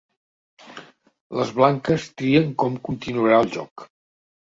Les blanques trien com continuarà el joc.